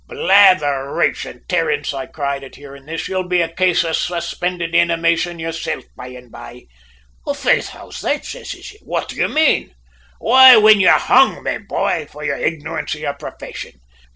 "`Blatheration, Terence,' I cried at hearing this. `You'll be a case of suspended animation yoursilf by and bye.' "`Faith, how's that?' says he. `What do you mean?' "`Why, whin you're hung, me bhoy! for your ignorance of your profession.